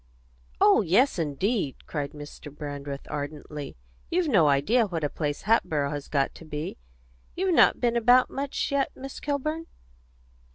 "Oh yes, indeed!" cried Mr. Brandreth ardently. "You've no idea what a place Hatboro' has got to be. You've not been about much yet, Miss Kilburn?"